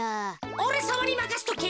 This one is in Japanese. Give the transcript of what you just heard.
おれさまにまかしとけ。